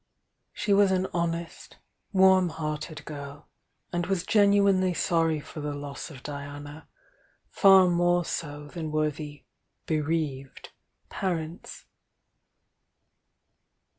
She was an honest, warm hearted girl, and was genuinely sorry for the loss of Diana, far more so than were the "bereaved" parents.